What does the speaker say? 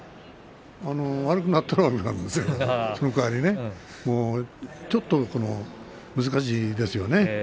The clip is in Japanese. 悪くなったら悪くなるんだけどその代わりにね。ちょっと難しいですよね。